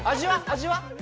味は？